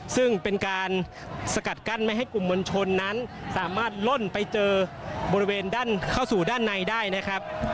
ซึ่งเป็นการสกัดกั้นไม่ให้กลุ่มมวลชนนั้นสามารถล่นไปเจอบริเวณด้านเข้าสู่ด้านในได้นะครับ